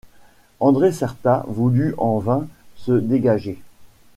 André Certa voulut en vain se dégager.